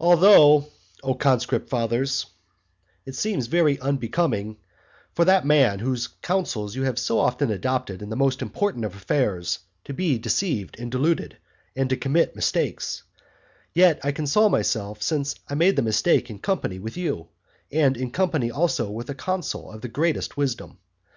I. Although, O conscript fathers it seems very unbecoming for that man whose counsels you have so often adopted in the most important affairs, to be deceived and deluded, and to commit mistakes, yet I console myself, since I made the mistake in company with you, and in company also with a consul of the greatest wisdom.